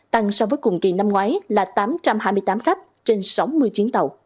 tăng so với cùng kỳ năm ngoái là tám trăm hai mươi tám khách